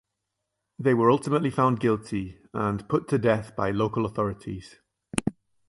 They were ultimately found guilty and put to death by local authorities.